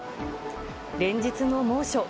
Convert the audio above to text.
連日の猛暑。